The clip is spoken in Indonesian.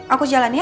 aku jalan ya